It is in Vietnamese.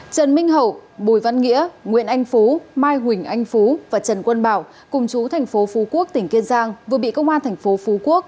trần minh hậu bùi văn nghĩa nguyễn anh phú mai huỳnh anh phú và trần quân bảo cùng chú thành phố phú quốc tỉnh kiên giang vừa bị công an thành phố phú quốc